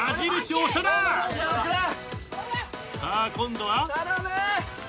さあ今度は。